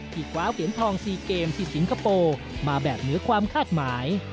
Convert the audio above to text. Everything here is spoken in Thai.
คว้าเหรียญทอง๔เกมที่สิงคโปร์มาแบบเหนือความคาดหมาย